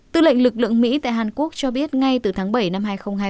tư lệnh lực lượng mỹ tại hàn quốc cho biết ngay từ tháng bảy năm hai nghìn hai mươi ba